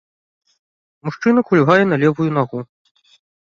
Мужчына кульгае на левую нагу.